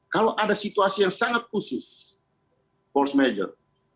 kalau ada situasi yang sangat khusus force major